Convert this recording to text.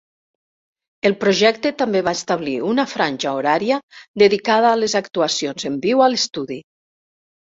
El projecte també va establir una franja horària dedicada a les actuacions en viu a l'estudi.